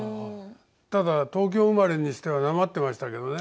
ただ東京生まれにしてはなまってましたけどね。